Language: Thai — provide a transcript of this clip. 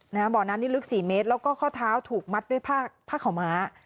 บ่อน้ำนี่ลึกสี่เมตรแล้วก็ข้อเท้าถูกมัดด้วยผ้าผ้าขาวม้า